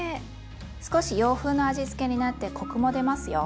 少し洋風の味付けになってコクも出ますよ。